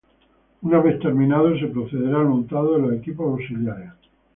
Una vez terminado se procederá al montado de los equipos auxiliares.